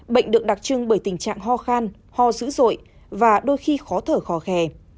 bệnh được đặc trưng bởi tình trạng ho khan ho dữ dội và đôi khi khó thở khò khè